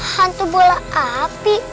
hantu bola api